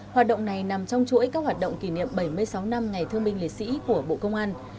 hoạt động này nằm trong chuỗi các hoạt động kỷ niệm bảy mươi sáu năm ngày thương binh liệt sĩ của bộ công an